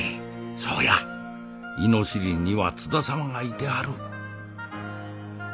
そうや猪尻には津田様がいてはる